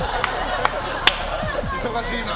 忙しいな。